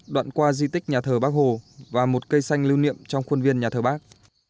đoạn qua di tích nhà thờ bác hồ và một cây xanh lưu niệm trong khuôn viên nhà thờ bác